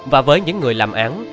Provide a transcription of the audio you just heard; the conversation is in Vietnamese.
và với những người làm án